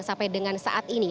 sampai dengan saat ini